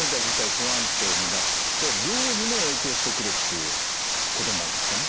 不安定になって量にも影響してくるっていうことになるんですかね。